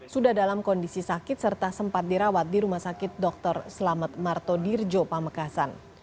sudah dalam kondisi sakit serta sempat dirawat di rumah sakit dr selamat martodirjo pamekasan